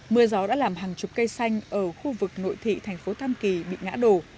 mưa gió đã làm hàng chục cây xanh ở khu vực nội thị thành phố tam kỳ bị ngã đổ